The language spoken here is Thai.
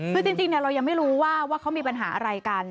คือจริงเรายังไม่รู้ว่าเขามีปัญหาอะไรกัน